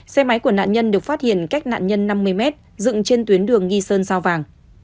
xe máy của nạn nhân được phát hiện cách nạn nhân năm mươi mét dựng trên tuyến đường nghi sơn sao vàng